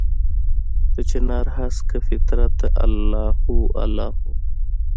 دچنارهسکه فطرته الله هو، الله هو